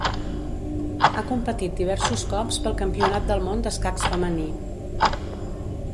Ha competit diversos cops pel Campionat del món d'escacs femení.